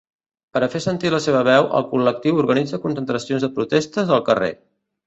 Per a fer sentir la seva veu, el col·lectiu organitza concentracions de protestes al carrer.